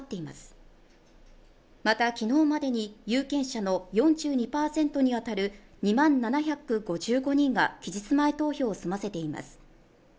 また、昨日までに有権者の４２％に当たる２万７５５人が期日前投票を済ませています。